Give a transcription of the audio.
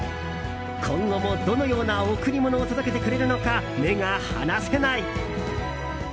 今後もどのような贈り物を届けてくれるのか目が離せない。